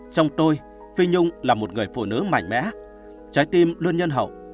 trong tôi phi nhung là một người phụ nữ mạnh mẽ trái tim luôn nhân hậu